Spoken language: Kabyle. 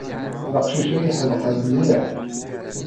D aqcic ay iḥedqen mliḥ.